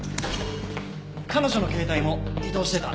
彼女の携帯も移動してた。